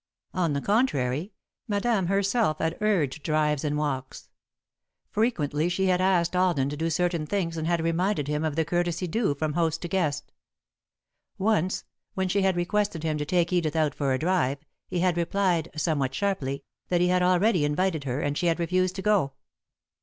On the contrary, Madame herself had urged drives and walks. Frequently she had asked Alden to do certain things and had reminded him of the courtesy due from host to guest. Once, when she had requested him to take Edith out for a drive, he had replied, somewhat sharply, that he had already invited her and she had refused to go.